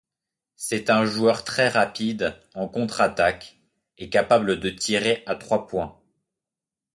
C'est un joueur très rapide en contre-attaque, et capable de tirer à trois points.